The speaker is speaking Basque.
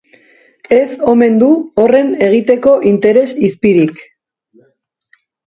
Ez omen du horren egiteko interes izpirik.